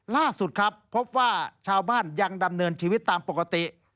ล่าสุดครับพบว่าชาวบ้านยังดำเนินชีวิตตามปกติ